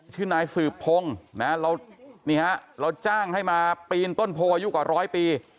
ชื่อนายสืบพงศ์เราจ้างให้มาปีนต้นโพยุกว่าร้อยปี